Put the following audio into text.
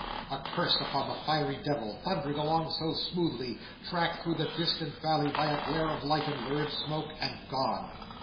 A curse upon the fiery devil, thundering along so smoothly, tracked through the distant valley by a glare of light and lurid smoke, and gone!